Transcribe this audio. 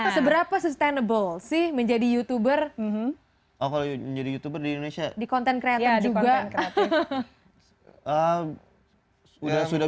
seberapa sustainable sih menjadi youtuber youtuber di indonesia di konten kreatif juga sudah sudah